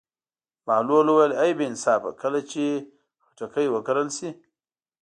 بهلول وویل: ای بې انصافه کله چې خټکی وکرل شي.